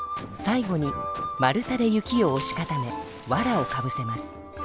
最後に丸太で雪をおし固めわらをかぶせます。